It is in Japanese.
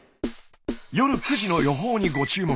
夜９時の予報にご注目。